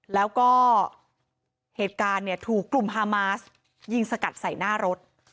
แล้วก็เหตุการณ์เนี่ยถูกกลุ่มฮามาสยิงสกัดใส่หน้ารถ